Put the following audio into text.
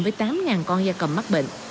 với tám con da cầm mắc bệnh